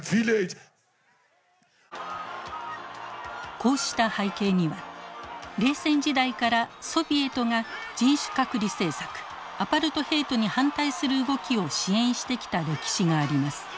こうした背景には冷戦時代からソビエトが人種隔離政策アパルトヘイトに反対する動きを支援してきた歴史があります。